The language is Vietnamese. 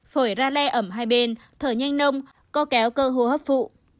phổi ra le ẩm hai bên thở nhanh nông co kéo cơ hô hấp phụ